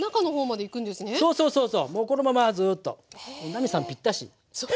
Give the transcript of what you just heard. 奈実さんぴったし。